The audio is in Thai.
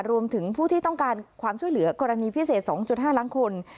รวมถึงผู้ที่ต้องการความช่วยเหลือกรณีพิเศษ๒๕ล้านคน